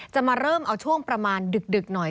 จะมาเริ่มเอาช่วงประมาณดึกหน่อย